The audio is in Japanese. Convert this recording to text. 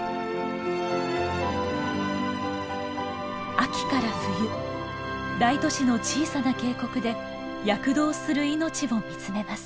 秋から冬大都市の小さな渓谷で躍動する命を見つめます。